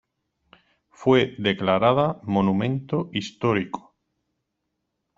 Fue declarada Monumento Histórico.